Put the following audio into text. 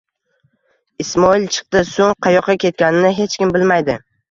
Ismoil chiqdi. So'ng qayoqqa ketganini hech kim bilmaydi.